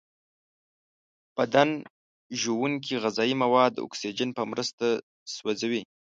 بدن ژونکې غذایي مواد د اکسیجن په مرسته سوځوي.